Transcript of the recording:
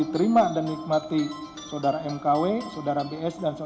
terima kasih atas penontonannya